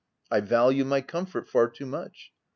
I value my comfort far too much.